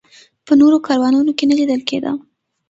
په نورو کاروانونو کې نه لیدل کېده.